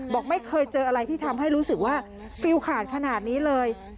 บอกไม่เคยเจออะไรที่ทำให้รู้สึกว่าฟิลขาดขนาดนี้เลย